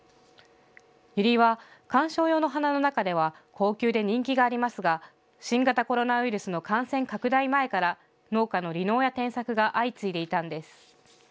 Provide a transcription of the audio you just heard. ユリは観賞用の花の中では高級で人気がありますが新型コロナウイルスの感染拡大前から農家の離農や転作が相次いでいたんです。